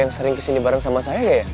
yang sering kesini bareng sama saya gak ya